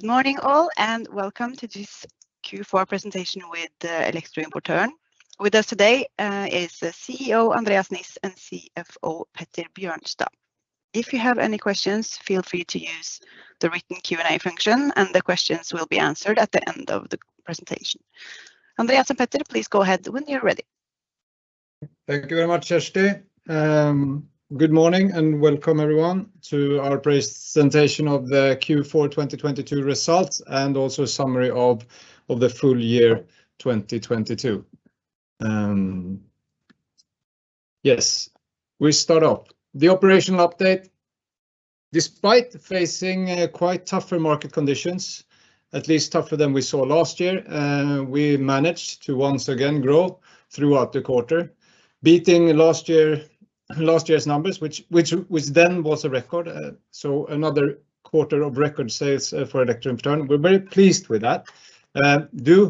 Good morning all and welcome to this Q4 presentation with Elektroimportøren Elbutik. With us today is the CEO Andreas Niss and CFO Petter Bjørnstad. If you have any questions, feel free to use the written Q&A function, and the questions will be answered at the end of the presentation. Andreas and Petter, please go ahead when you're ready. Thank you very much, Kjersti. Good morning and welcome everyone to our presentation of the Q4 2022 results and also a summary of the full year 2022. Yes. We start off. The operational update, despite facing quite tougher market conditions, at least tougher than we saw last year, we managed to once again grow throughout the quarter, beating last year's numbers which then was a record. Another quarter of record sales for Elektroimportøren Elbutik. We're very pleased with that.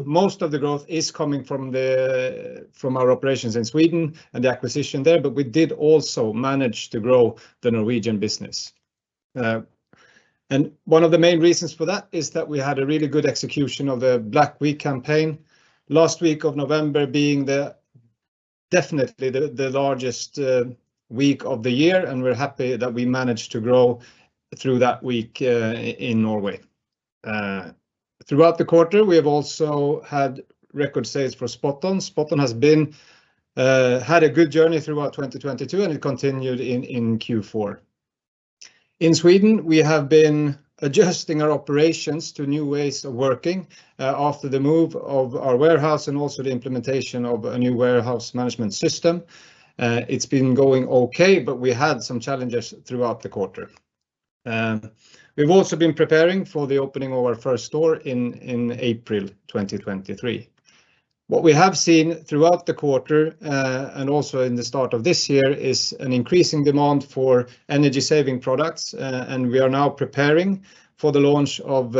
Most of the growth is coming from our operations in Sweden and the acquisition there. We did also manage to grow the Norwegian business. One of the main reasons for that is that we had a really good execution of the Black Week campaign. Last week of November being definitely the largest week of the year, we're happy that we managed to grow through that week in Norway. Throughout the quarter, we have also had record sales for SpotOn. SpotOn has been had a good journey throughout 2022, it continued in Q4. In Sweden, we have been adjusting our operations to new ways of working after the move of our warehouse and also the implementation of a new warehouse management system. It's been going okay, we had some challenges throughout the quarter. We've also been preparing for the opening of our first store in April 2023. What we have seen throughout the quarter, and also in the start of this year is an increasing demand for energy-saving products. We are now preparing for the launch of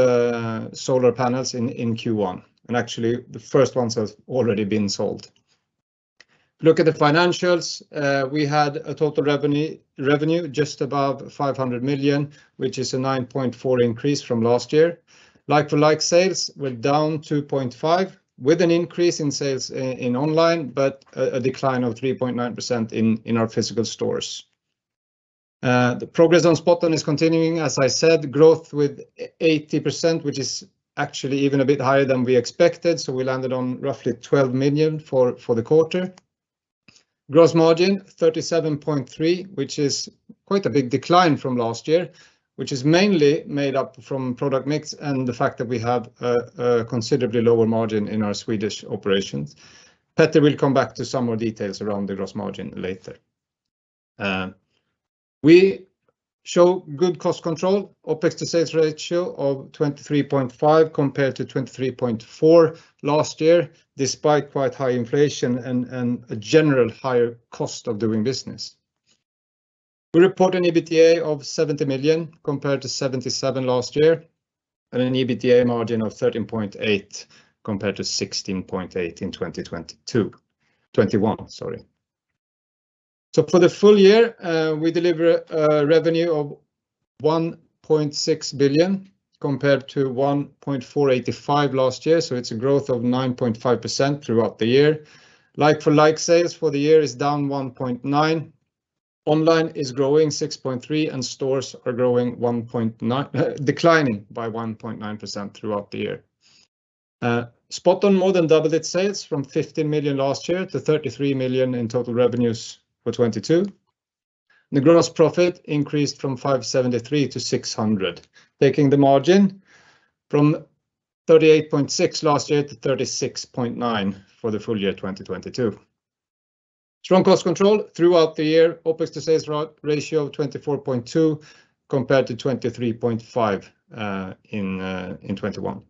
solar panels in Q1, and actually, the first ones have already been sold. Look at the financials. We had a total revenue just above 500 million, which is a 9.4 increase from last year. Like-for-like sales were down 2.5%, with an increase in sales in online, but a decline of 3.9% in our physical stores. The progress on Spot On is continuing. As I said, growth with 80%, which is actually even a bit higher than we expected, so we landed on roughly 12 million for the quarter. Gross margin, 37.3%, which is quite a big decline from last year, which is mainly made up from product mix and the fact that we have a considerably lower margin in our Swedish operations. Petter will come back to some more details around the gross margin later. We show good cost control, operations to sales ratio of 23.5% compared to 23.4% last year, despite quite high inflation and a general higher cost of doing business. We report an EBITDA of 70 million compared to 77 million last year and an EBITDA margin of 13.8% compared to 16.8% in 2021. For the full year, we deliver a revenue of 1.6 billion compared to 1.485 billion last year, it's a growth of 9.5% throughout the year. Like-for-like sales for the year is down 1.9%. Online is growing 6.3%, and stores are declining by 1.9% throughout the year. SpotOn more than doubled its sales from 15 million last year to 33 million in total revenues for 2022. The gross profit increased from 573-600, taking the margin from 38.6% last year to 36.9% for the full year 2022. Strong cost control throughout the year. Operations to sales ratio of 24.2% compared to 23.5% in 2021.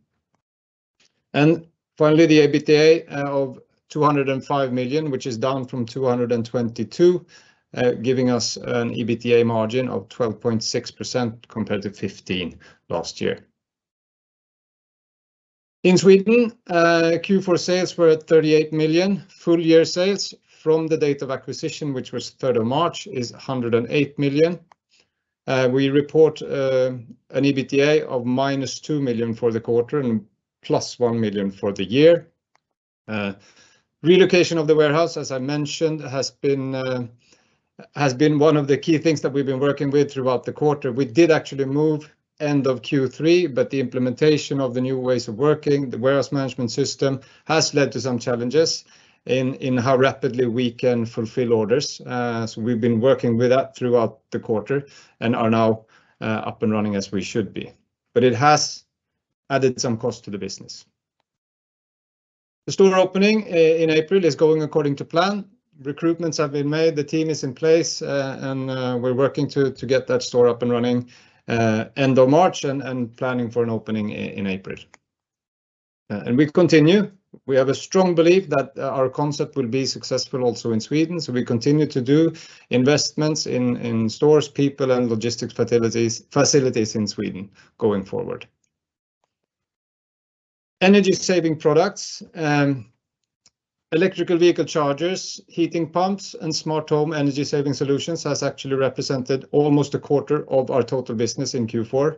Finally, the EBITDA of 205 million, which is down from 222 million, giving us an EBITDA margin of 12.6% compared to 15% last year. In Sweden, Q4 sales were at 38 million. Full year sales from the date of acquisition, which was 3rd of March, is 108 million. We report an EBITDA of -2 million for the quarter and +1 million for the year. Relocation of the warehouse, as I mentioned, has been one of the key things that we've been working with throughout the quarter. We did actually move end of Q3, but the implementation of the new ways of working, the warehouse management system, has led to some challenges in how rapidly we can fulfill orders. We've been working with that throughout the quarter and are now up and running as we should be. It has added some cost to the business. The store opening in April is going according to plan. Recruitments have been made. The team is in place. We're working to get that store up and running end of March and planning for an opening in April. We continue. We have a strong belief that our concept will be successful also in Sweden, so we continue to do investments in stores, people, and logistics facilities in Sweden going forward. Energy-saving products, electrical vehicle chargers, heating pumps, and smart home energy-saving solutions has actually represented almost a quarter of our total business in Q4.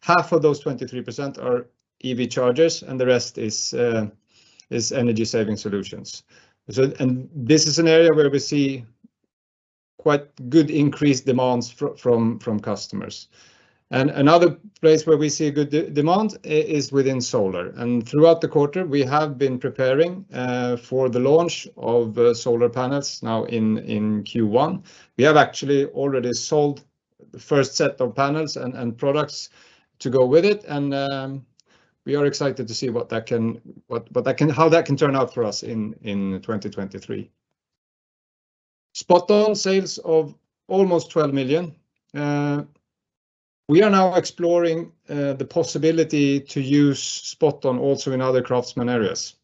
Half of those 23% are EV chargers, and the rest is energy-saving solutions. This is an area where we see quite good increased demands from customers. Another place where we see good demand is within solar, and throughout the quarter, we have been preparing for the launch of solar panels now in Q1. We have actually already sold the first set of panels and products to go with it, and we are excited to see how that can turn out for us in 2023. SpotOn sales of almost 12 million. We are now exploring the possibility to use SpotOn also in other craftsman areas.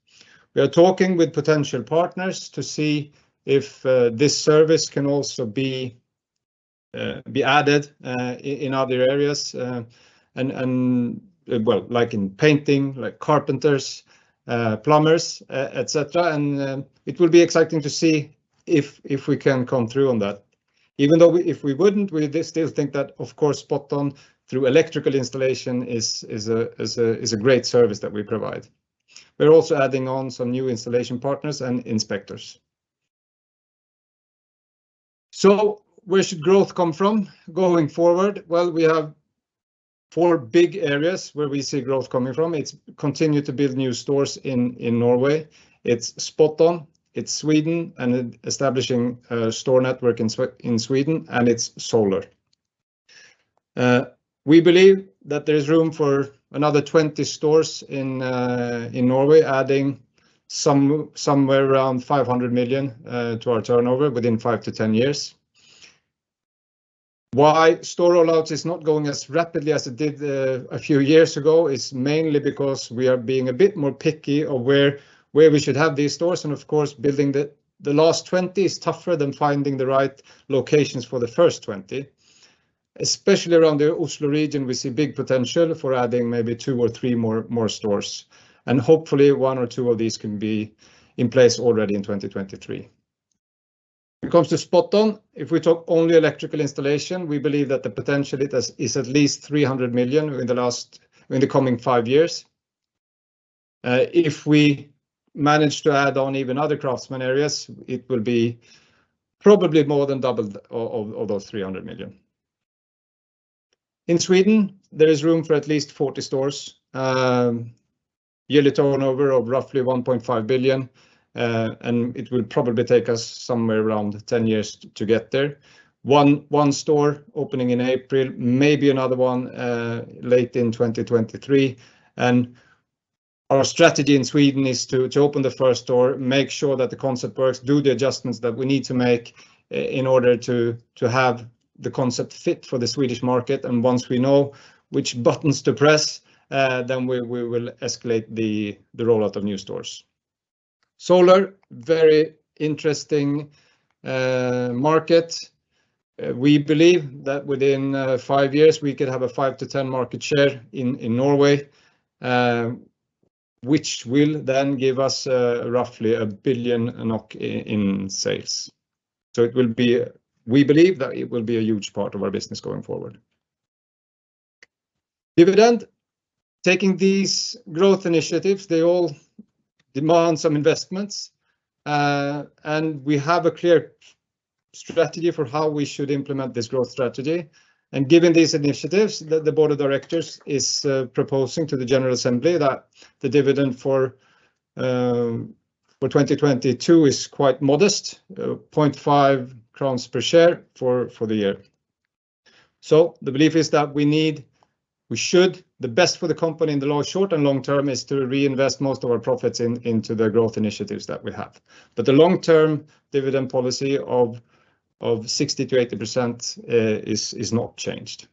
We are talking with potential partners to see if this service can also be added in other areas, and, well, like in painting, like carpenters, plumbers, et cetera, and it will be exciting to see if we can come through on that. Even though if we wouldn't, we still think that, of course, SpotOn through electrical installation is a great service that we provide. We're also adding on some new installation partners and inspectors. Where should growth come from going forward? We have four big areas where we see growth coming from. It's continue to build new stores in Norway. It's SpotOn. It's Sweden, and it establishing a store network in Sweden, and it's solar. We believe that there's room for another 20 stores in Norway, adding somewhere around 500 million to our turnover within 5-10 years. Why store rollouts is not going as rapidly as it did a few years ago is mainly because we are being a bit more picky of where we should have these stores, and of course, building the last 20 is tougher than finding the right locations for the first 20. Especially around the Oslo region, we see big potential for adding maybe two or three more stores. Hopefully, one or two of these can be in place already in 2023. When it comes to SpotOn, if we talk only electrical installation, we believe that the potential it has is at least 300 million in the coming five years. If we manage to add on even other craftsman areas, it will be probably more than double of those 300 million. In Sweden, there is room for at least 40 stores, yearly turnover of roughly 1.5 billion. It will probably take us somewhere around 10 years to get there. One store opening in April, maybe another one late in 2023. Our strategy in Sweden is to open the first store, make sure that the concept works, do the adjustments that we need to make in order to have the concept fit for the Swedish market, and once we know which buttons to press, then we will escalate the rollout of new stores. Solar, very interesting market. We believe that within five years, we could have a 5%-10% market share in Norway, which will then give us roughly 1 billion NOK in sales. We believe that it will be a huge part of our business going forward. Dividend, taking these growth initiatives, they all demand some investments, and we have a clear strategy for how we should implement this growth strategy. Given these initiatives, the board of directors is proposing to the general assembly that the dividend for 2022 is quite modest, 0.5 crowns per share for the year. The belief is that the best for the company in the long, short and long term is to reinvest most of our profits into the growth initiatives that we have. The long-term dividend policy of 60%-80% is not changed.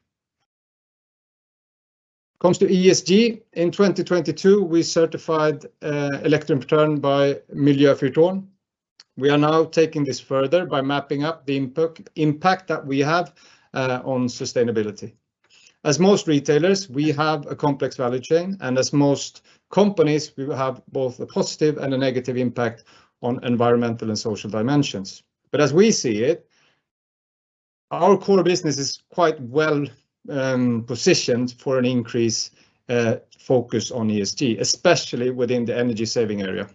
Comes to ESG, in 2022, we certified Elektroimportøren by Miljøfyrtårn. We are now taking this further by mapping up the impact that we have on sustainability. Most retailers, we have a complex value chain, most companies, we have both a positive and a negative impact on environmental and social dimensions. As we see it, our core business is quite well positioned for an increased focus on ESG, especially within the energy-saving area.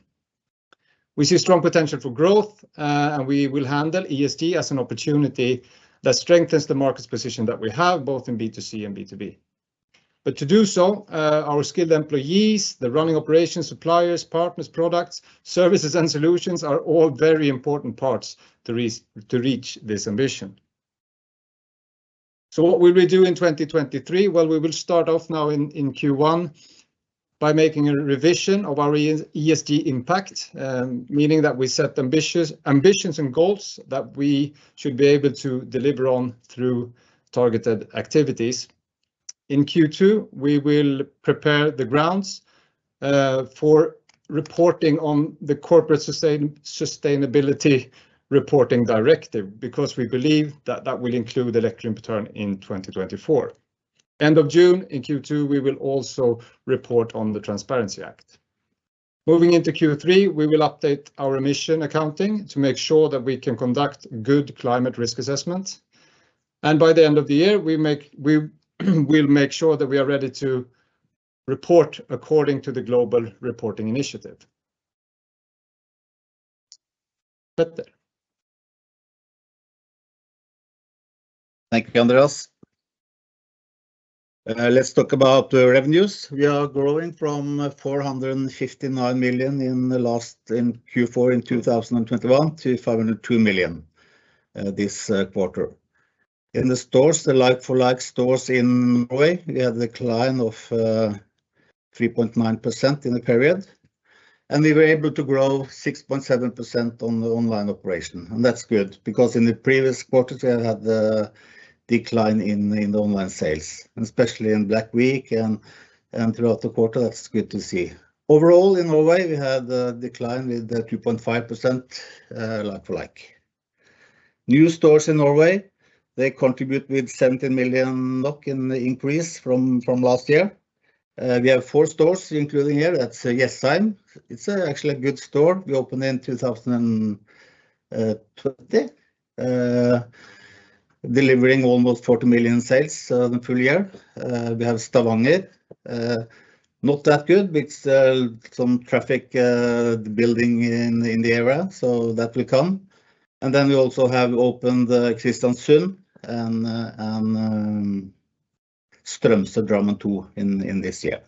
We see strong potential for growth, we will handle ESG as an opportunity that strengthens the market's position that we have, both in B2C and B2B. To do so, our skilled employees, the running operations, suppliers, partners, products, services, and solutions are all very important parts to reach this ambition. What will we do in 2023? We will start off now in Q1 by making a revision of our ESG impact, meaning that we set ambitious ambitions and goals that we should be able to deliver on through targeted activities. In Q2, we will prepare the grounds for reporting on the Corporate Sustainability Reporting Directive because we believe that that will include Elektroimportøren in 2024. End of June in Q2, we will also report on the Transparency Act. Moving into Q3, we will update our emission accounting to make sure that we can conduct good climate risk assessment, and by the end of the year, We will make sure that we are ready to report according to the Global Reporting Initiative. Petter. Thank you, Andreas. Let's talk about the revenues. We are growing from 459 million in the last, in Q4 in 2021 to 502 million this quarter. In the stores, the like-for-like stores in Norway, we had a decline of 3.9% in the period, and we were able to grow 6.7% on the online operation. That's good because in the previous quarter, we had had a decline in the online sales, and especially in Black Week throughout the quarter, that's good to see. Overall in Norway, we had a decline with the 2.5% like-for-like. New stores in Norway, they contribute with 70 million in the increase from last year. We have four stores including here. That's Jessheim. It's actually a good store. We opened in 2020. Delivering almost 40 million in sales in the full year. We have Stavanger, not that good with some traffic building in the area. That will come. We also have opened Kristiansund and Strømsø, Drammen too in this year.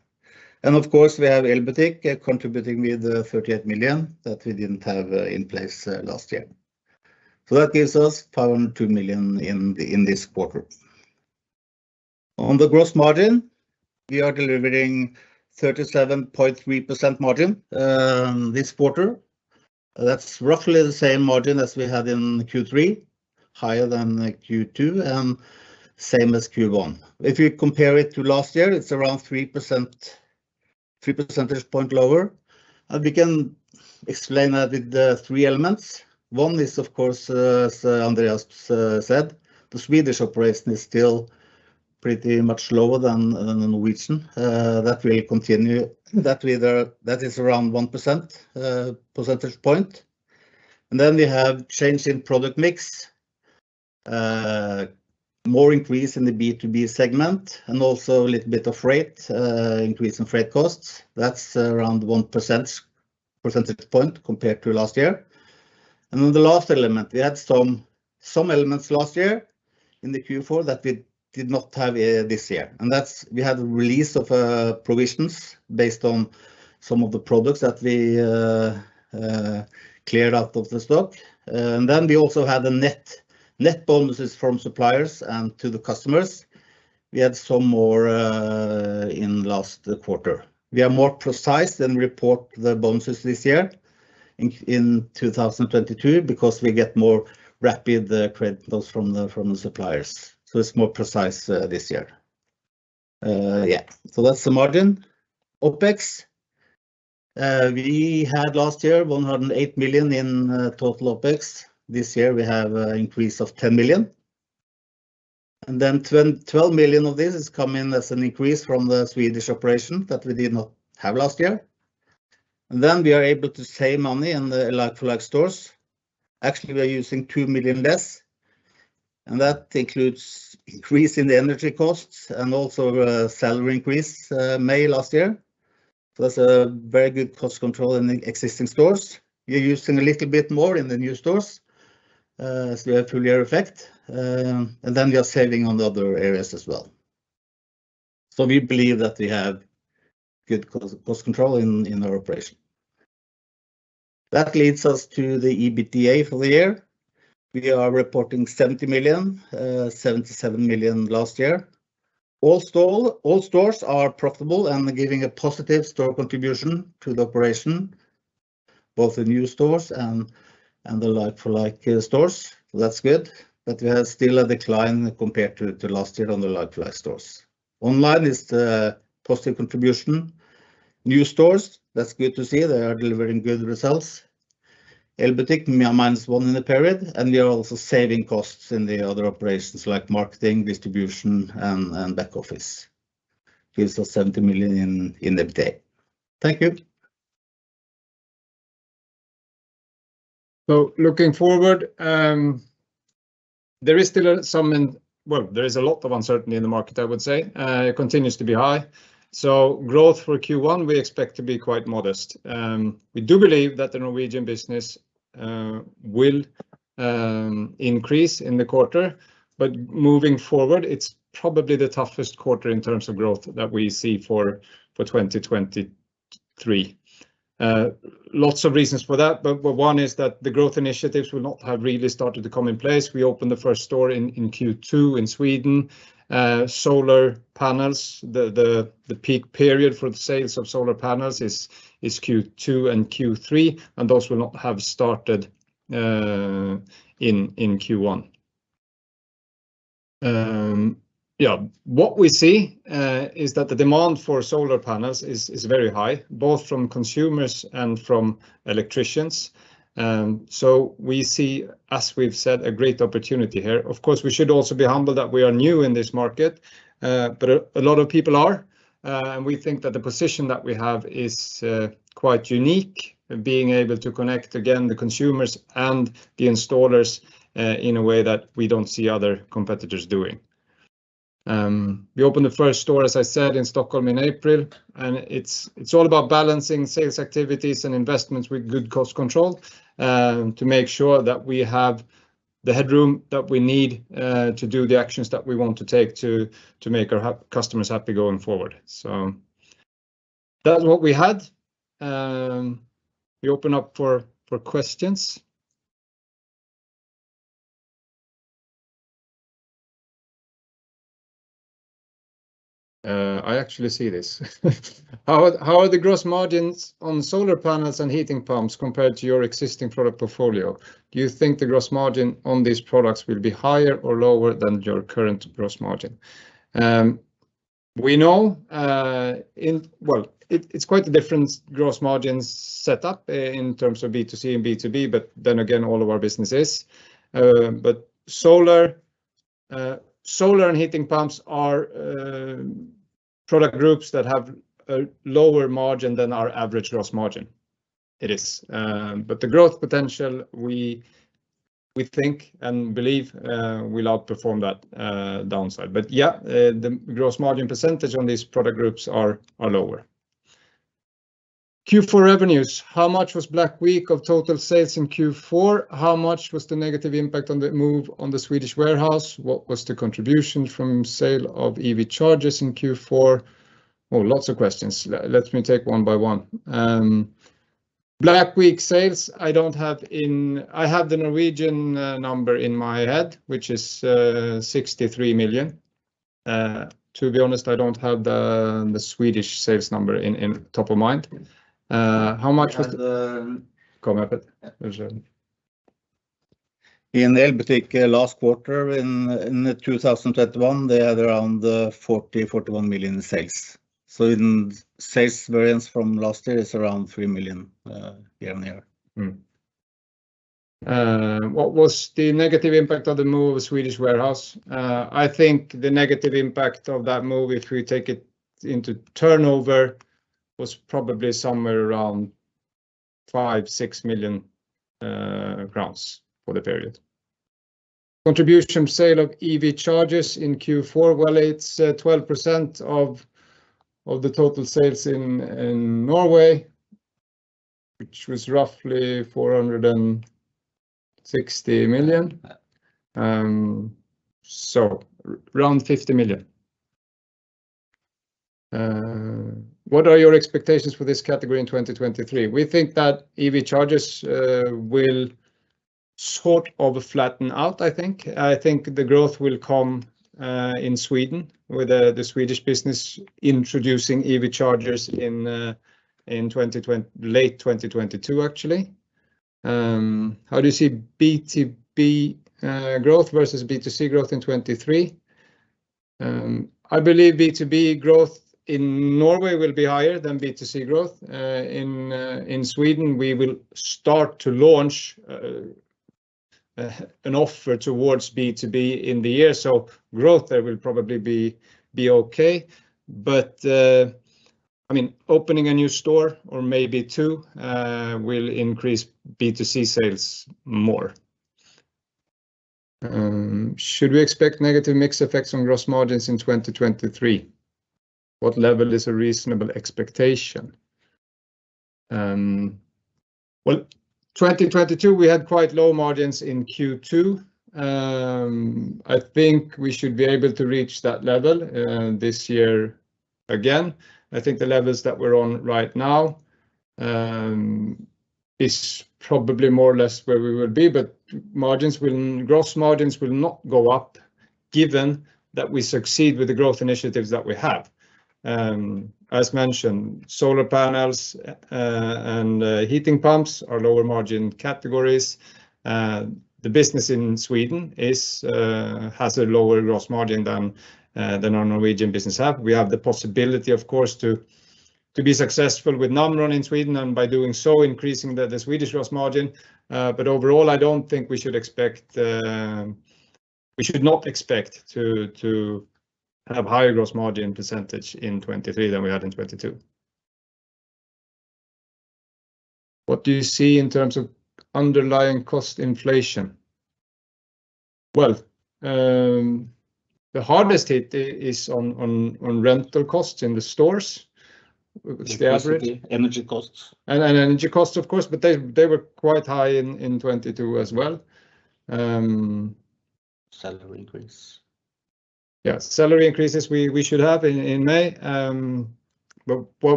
Of course, we have Elbutik contributing with 38 million that we didn't have in place last year. That gives us 502 million in this quarter. On the gross margin, we are delivering 37.3% margin this quarter. That's roughly the same margin as we had in Q3, higher than the Q2 and same as Q1. If you compare it to last year, it's around 3%, 3 percentage points lower, and we can explain that with the three elements. One is, of course, as Andreas Niss said. The Swedish operation is still pretty much lower than Norwegian. That will continue that way. That is around 1 percentage point. Then we have change in product mix, more increase in the B2B segment, and also a little bit of freight, increase in freight costs. That's around 1 percentage point compared to last year. Then the last element, we had some elements last year in Q4 that we did not have this year, and that's, we had a release of provisions based on some of the products that we cleared out of the stock. We also had the net bonuses from suppliers and to the customers. We had some more in last quarter. We are more precise and report the bonuses this year in 2022 because we get more rapid credit those from the suppliers. It's more precise this year. That's the margin. OpEx, we had last year, 108 million in total OpEx. This year, we have a increase of 10 million, 12 million of this has come in as an increase from the Swedish operation that we did not have last year. We are able to save money in the like-for-like stores. We are using 2 million less, and that includes increase in the energy costs and also a salary increase May last year. That's a very good cost control in the existing stores. We're using a little bit more in the new stores, as we have full year effect. We are saving on the other areas as well. We believe that we have good cost control in our operation. That leads us to the EBITDA for the year. We are reporting 70 million, 77 million last year. All stores are profitable and giving a positive store contribution to the operation, both the new stores and the like-for-like stores. That's good, we have still a decline compared to last year on the like-for-like stores. Online is the positive contribution. New stores, that's good to see. They are delivering good results. Elbutik minus one in the period, we are also saving costs in the other operations like marketing, distribution, and back office. Gives us 70 million in EBITDA. Thank you. Looking forward, there is a lot of uncertainty in the market, I would say. It continues to be high. Growth for Q1, we expect to be quite modest. We do believe that the Norwegian business will increase in the quarter, but moving forward, it's probably the toughest quarter in terms of growth that we see for 2023. Lots of reasons for that, but one is that the growth initiatives will not have really started to come in place. We opened the first store in Q2 in Sweden. Solar panels, the peak period for the sales of solar panels is Q2 and Q3, and those will not have started in Q1. Yeah. What we see is that the demand for solar panels is very high, both from consumers and from electricians. We see, as we've said, a great opportunity here. Of course, we should also be humble that we are new in this market, but a lot of people are. We think that the position that we have is quite unique, being able to connect again the consumers and the installers in a way that we don't see other competitors doing. We opened the first store, as I said, in Stockholm in April. It's all about balancing sales activities and investments with good cost control to make sure that we have the headroom that we need to do the actions that we want to take to make our customers happy going forward. That's what we had. We open up for questions. I actually see this. How are the gross margins on solar panels and heating pumps compared to your existing product portfolio? Do you think the gross margin on these products will be higher or lower than your current gross margin? We know it's quite a different gross margins set up in terms of B2C and B2B, all of our businesses. Solar and heating pumps are product groups that have a lower margin than our average gross margin. It is. The growth potential, we think and believe, will outperform that downside. The gross margin percentage on these product groups are lower. Q4 revenues, how much was Black Week of total sales in Q4? How much was the negative impact on the move on the Swedish warehouse? What was the contribution from sale of EV chargers in Q4? Oh, lots of questions. Let me take one by one. Black Week sales, I don't have in... I have the Norwegian number in my head, which is 63 million. To be honest, I don't have the Swedish sales number in top of mind. How much was the. I have the. Go on, Petter. Yeah. Yes. In the Elbutik last quarter, in the 2021, they had around 40 million-41 million sales. In sales variance from last year is around 3 million year-on-year. What was the negative impact of the move of Swedish warehouse? I think the negative impact of that move, if we take it into turnover, was probably somewhere around 5 million-6 million crowns for the period. Contribution sale of EV chargers in Q4, well, it's 12% of the total sales in Norway, which was roughly 460 million. Around 50 million. What are your expectations for this category in 2023? We think that EV chargers will sort of flatten out, I think. I think the growth will come in Sweden with the Swedish business introducing EV chargers in 2020-late 2022, actually. How do you see B2B growth versus B2C growth in 2023? I believe B2B growth in Norway will be higher than B2C growth. In, in Sweden, we will start to launch an offer towards B2B in the year, growth there will probably be okay. I mean, opening a new store or maybe two will increase B2C sales more. Should we expect negative mix effects on gross margins in 2023? What level is a reasonable expectation? Well, 2022, we had quite low margins in Q2. I think we should be able to reach that level this year again. I think the levels that we're on right now is probably more or less where we will be, gross margins will not go up given that we succeed with the growth initiatives that we have. Mentioned, solar panels and heating pumps are lower margin categories. The business in Sweden is has a lower gross margin than the Norwegian business have. We have the possibility, of course, to be successful with Namron in Sweden, and by doing so, increasing the Swedish gross margin. Overall, I don't think we should expect. We should not expect to have higher gross margin percentage in 2023 than we had in 2022. What do you see in terms of underlying cost inflation? Well, the hardest hit is on rental costs in the stores. It's the average. Electricity, energy costs Energy costs, of course, but they were quite high in 2022 as well. Salary increase. Yeah, salary increases we should have in May. Can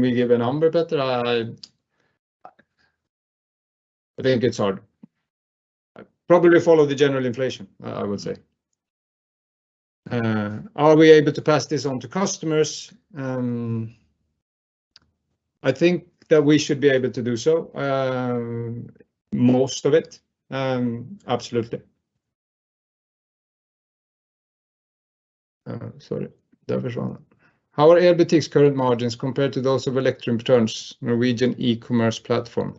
we give a number, Petter? I think it's hard. Probably follow the general inflation, I would say. Are we able to pass this on to customers? I think that we should be able to do so, most of it, absolutely. Sorry. There was one. How are Elbutik's current margins compared to those of Elektroimportøren, Norwegian e-commerce platform?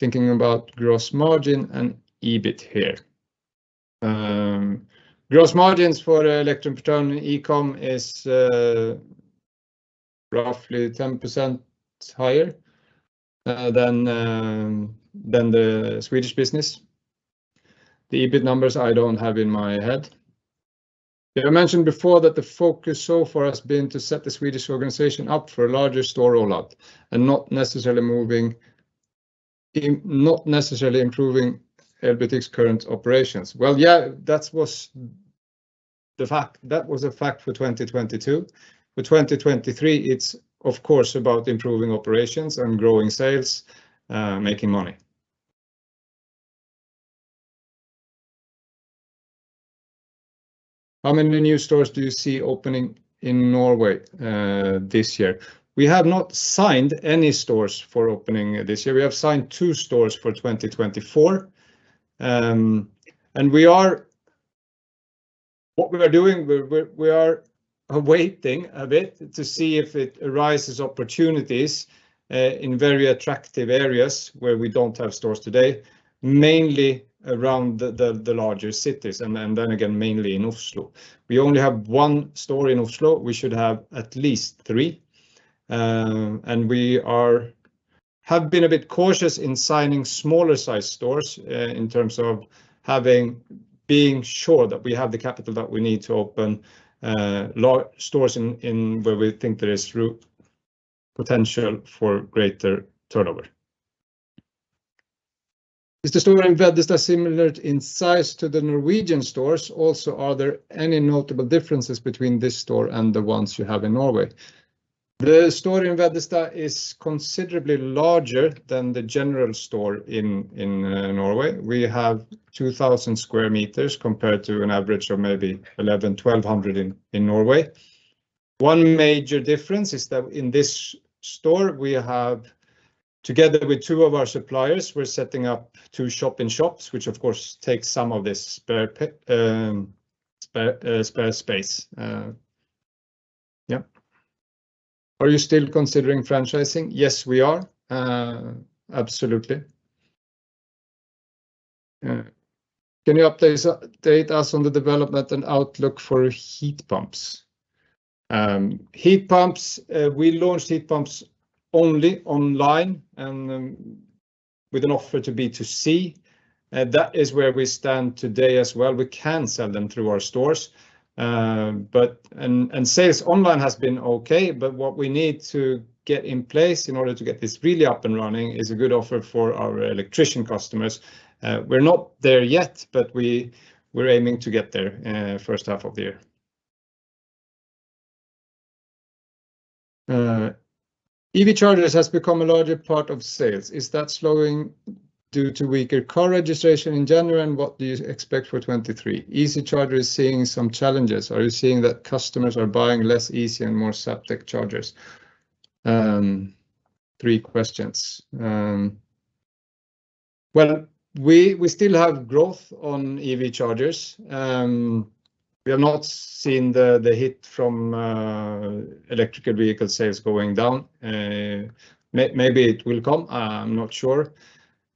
Thinking about gross margin and EBIT here. Gross margins for Elektroimportøren e-com is roughly 10% higher than the Swedish business. The EBIT numbers I don't have in my head. Petter mentioned before that the focus so far has been to set the Swedish organization up for a larger store rollout and not necessarily improving Elbutik's current operations. Well, yeah, that was the fact. That was a fact for 2022. For 2023, it's of course about improving operations and growing sales, making money. How many new stores do you see opening in Norway this year? We have not signed any stores for opening this year. We have signed two stores for 2024. What we are doing, we are awaiting a bit to see if it arises opportunities in very attractive areas where we don't have stores today, mainly around the larger cities and then again, mainly in Oslo. We only have one store in Oslo. We should have at least three. We have been a bit cautious in signing smaller size stores in terms of being sure that we have the capital that we need to open stores in where we think there is potential for greater turnover. Is the store in Västerås similar in size to the Norwegian stores? Also, are there any notable differences between this store and the ones you have in Norway? The store in Västerås is considerably larger than the general store in Norway. We have 2,000 sq m compared to an average of maybe 1,100-1,200 sq m in Norway. One major difference is that in this store we have, together with two of our suppliers, we're setting up two shop-in-shops, which of course takes some of this spare space. Yeah. Are you still considering franchising? Yes, we are. Absolutely. Can you update us on the development and outlook for heat pumps? Heat pumps, we launched heat pumps only online with an offer to B2C, that is where we stand today as well. We can sell them through our stores. Sales online has been okay, but what we need to get in place in order to get this really up and running is a good offer for our electrician customers. We're not there yet, but we're aiming to get there first half of the year. EV chargers has become a larger part of sales. Is that slowing due to weaker car registration in January, and what do you expect for 2023? Easee Charge is seeing some challenges. Are you seeing that customers are buying less Easee and more Zaptec chargers? Three questions. Well, we still have growth on EV chargers. We have not seen the hit from electrical vehicle sales going down. Maybe it will come, I'm not sure.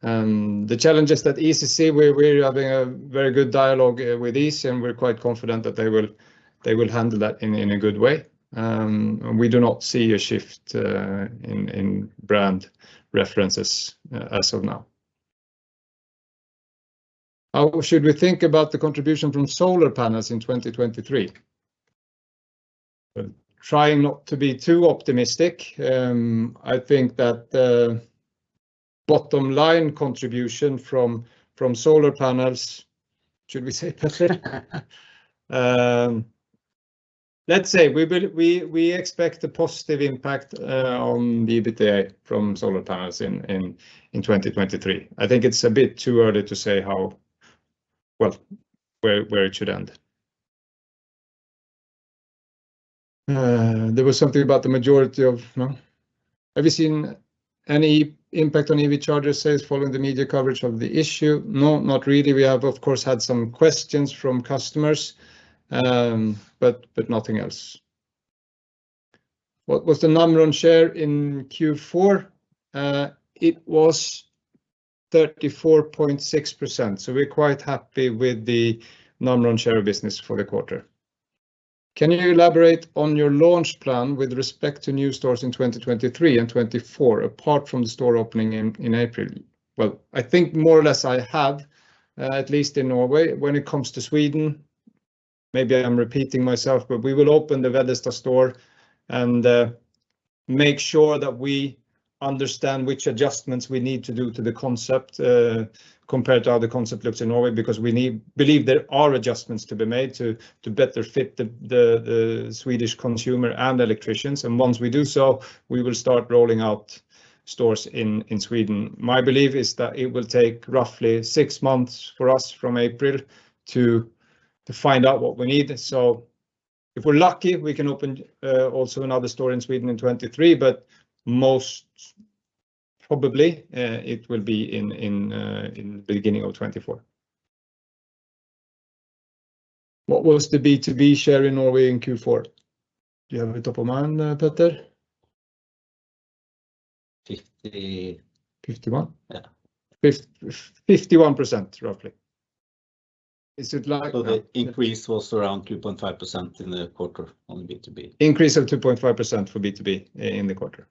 The challenges that Easee see, we're having a very good dialogue with Easee, and we're quite confident that they will handle that in a good way. We do not see a shift in brand references as of now. How should we think about the contribution from solar panels in 2023? Trying not to be too optimistic, I think that the bottom line contribution from solar panels, should we say, Petter? Let's say we expect a positive impact on the EBITDA from solar panels in 2023. I think it's a bit too early to say how, where it should end. There was something about No. Have you seen any impact on EV charger sales following the media coverage of the issue? No, not really. We have, of course, had some questions from customers, nothing else. What was the Namron share in Q4? It was 34.6%, we're quite happy with the Namron share of business for the quarter. Can you elaborate on your launch plan with respect to new stores in 2023 and 2024, apart from the store opening in April? I think more or less I have at least in Norway. When it comes to Sweden, maybe I'm repeating myself, but we will open the Västerås store and make sure that we understand which adjustments we need to do to the concept compared to how the concept looks in Norway, because we believe there are adjustments to be made to better fit the Swedish consumer and electricians. Once we do so, we will start rolling out stores in Sweden. My belief is that it will take roughly six months for us from April to find out what we need. If we're lucky, we can open, also another store in Sweden in 2023, but most probably, it will be in the beginning of 2024. What was the B2B share in Norway in Q4? Do you have it top of mind, Petter? 50. 51? Yeah. 51%, roughly. Is it like. The increase was around 2.5% in the quarter on B2B. Increase of 2.5% for B2B in the quarter.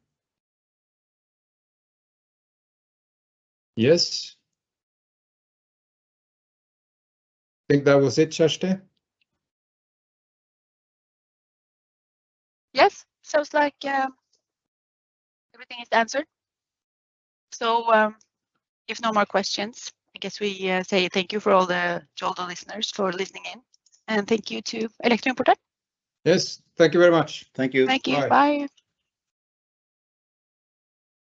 Yes. Think that was it, Kjersti? Yes. Sounds like everything is answered. If no more questions, I guess we say thank you to all the listeners for listening in. Thank you to Elektroimportøren. Yes. Thank you very much. Thank you. Bye. Thank you. Bye.